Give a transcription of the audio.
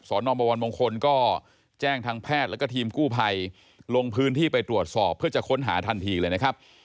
นอบวรมงคลก็แจ้งทางแพทย์แล้วก็ทีมกู้ภัยลงพื้นที่ไปตรวจสอบเพื่อจะค้นหาทันทีเลยนะครับ